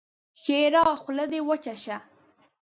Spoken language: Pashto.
ښېرا: خوله دې وچه شه!